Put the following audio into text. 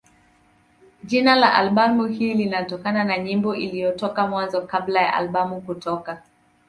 Jina la albamu hii lilitokana na nyimbo iliyotoka Mwanzo kabla ya albamu kutoka.